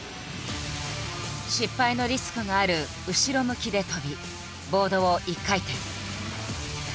失敗のリスクがある後ろ向きで跳びボードを１回転。